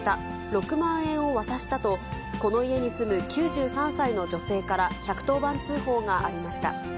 ６万円を渡したと、この家に住む９３歳の女性から１１０番通報がありました。